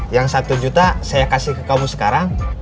yang satu juta saya kasih ke kamu sekarang